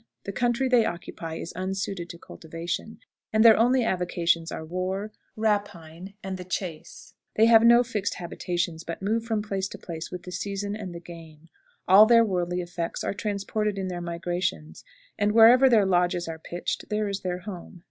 The country they occupy is unsuited to cultivation, and their only avocations are war, rapine, and the chase. They have no fixed habitations, but move from place to place with the seasons and the game. All their worldly effects are transported in their migrations, and wherever their lodges are pitched there is their home.